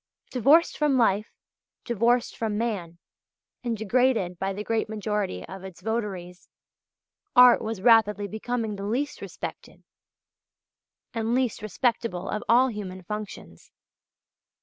Divorced from life, divorced from man, and degraded by the great majority of its votaries, art was rapidly becoming the least respected and least respectable of all human functions.